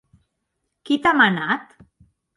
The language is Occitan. Qui t’a manat?